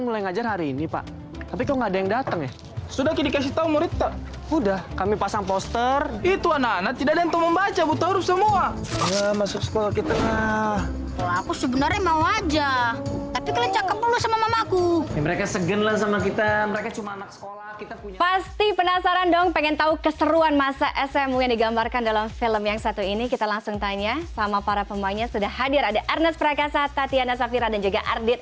lainnya sama para pemainnya sudah hadir ada ernest prakasa tatiana safira dan juga ardit